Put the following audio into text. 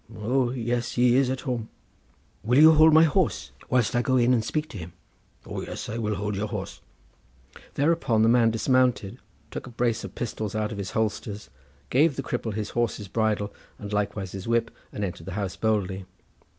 "O yes, he is at home." "Will you hold my horse whilst I go in and speak to him?" "O yes, I will hold your horse." Thereupon the man dismounted, took a brace of pistols out of his holsters, gave the cripple his horse's bridle and likewise his whip, and entered the house boldly.